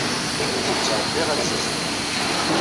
Ur ttɛebbiɣ alzaz-nwen.